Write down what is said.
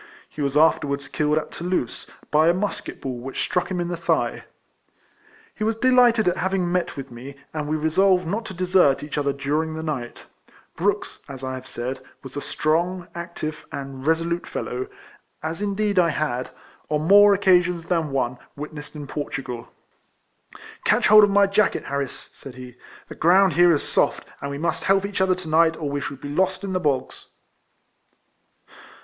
He was afterwards killed at Toulouse, by a musket ball which struck him in the thigh. He was delighted at having met with me, and we resolved not to desert each other during the night. Brooks, as I have said, was a strong, active, and resolute fel low, as indeed I had, on more occasions than one, witnessed in Portugal. At the present time, his strength was useful to both of us. " Catch hold of my jacket, Harris," said he :" the s^round here is soft, and we must RIFLEMAN HARRIS. 211 help each other to night, or we shall be lost in the bogs."